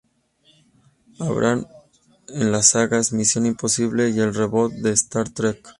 Abrams en las sagas "Misión imposible" y el reboot de "Star Trek".